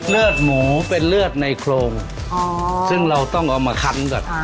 เลือดหมูเป็นเลือดในโครงซึ่งเราต้องเอามาคันก่อน